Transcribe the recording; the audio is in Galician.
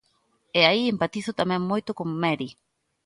E aí empatizo tamén moito con Meri.